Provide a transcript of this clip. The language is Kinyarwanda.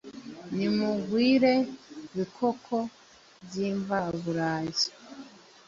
Nimugwire Bikoko byimvaburayi